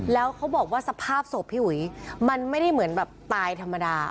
แล้วเขาบอกว่าสภาพศพพี่อุ๋ยมันไม่ได้เหมือนแบบตายธรรมดา